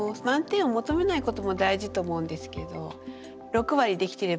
満点を求めないことも大事と思うんですけど。